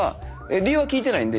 理由は聞いてないんで。